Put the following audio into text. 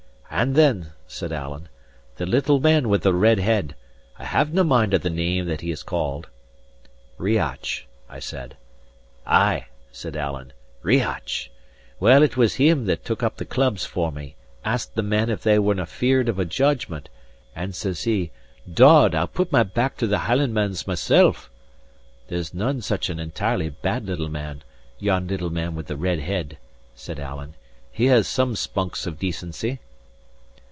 "And then," said Alan, "the little man with the red head I havenae mind of the name that he is called." "Riach," said I. "Ay" said Alan, "Riach! Well, it was him that took up the clubs for me, asked the men if they werenae feared of a judgment, and, says he 'Dod, I'll put my back to the Hielandman's mysel'.' That's none such an entirely bad little man, yon little man with the red head," said Alan. "He has some spunks of decency."